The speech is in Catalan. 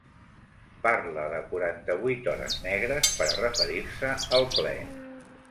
Parla de ’quaranta-vuit hores negres per a referir-se al ple.